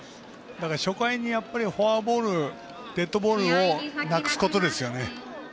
初回にフォアボールデッドボールをなくすことですよね。